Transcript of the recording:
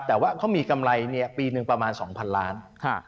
แต่ว่าเขามีกำไรปี๑ประมาณ๒๐๐๐ล้านบาท